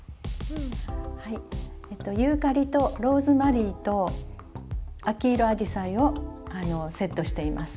はいユーカリとローズマリーと秋色あじさいをセットしています。